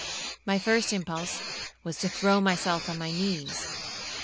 My first impulse was to throw myself on my knees.